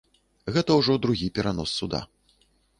Гэта ўжо другі перанос суда.